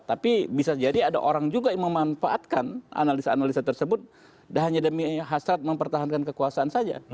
tapi bisa jadi ada orang juga yang memanfaatkan analisa analisa tersebut hanya demi hasrat mempertahankan kekuasaan saja